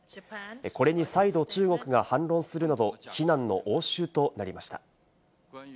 これに再度、中国が反論するなど非難の応酬となりました。